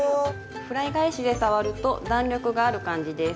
フライ返しで触ると弾力がある感じです。